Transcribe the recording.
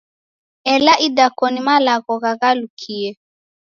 Ela idakoni malagho ghaghalukie.